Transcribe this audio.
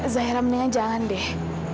zaira mendingan jangan deh